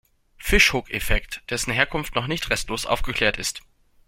Fish-Hook-Effekt, dessen Herkunft noch nicht restlos aufgeklärt ist.